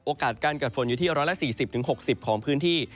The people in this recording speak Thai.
การเกิดฝนอยู่ที่๑๔๐๖๐ของพื้นที่